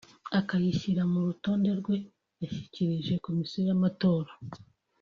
akayishyira ku rutonde rwe yashyikirije Komisiyo y’Amatora